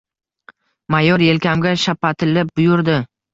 Mayor yelkamga shapatilib buyurdi: